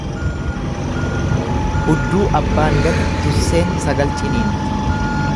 Hudduu abbaan gate tusseen sagal ciniinti.